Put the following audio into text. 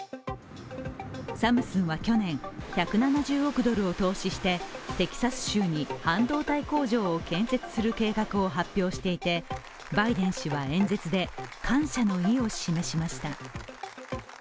サムスンは去年、１７０億ドルを投資してテキサス州に半導体工場を建設する計画を発表していてバイデン氏は演説で感謝の意を示しました。